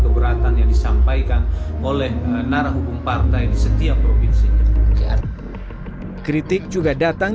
keberatan yang disampaikan oleh narah hukum partai di setiap provinsinya kritik juga datang